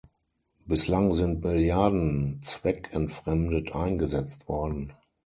Bislang sind Milliarden zweckentfremdet eingesetzt worden.